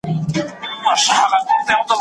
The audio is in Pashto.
سردار اکبرخان قربانۍ ورکړې